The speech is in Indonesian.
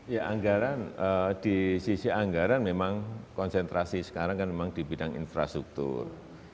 ya anggaran di sisi anggaran memang konsentrasi sekarang kan memang di bidang infrastruktur